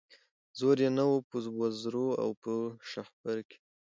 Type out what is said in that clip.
زور یې نه وو په وزر او په شهپر کي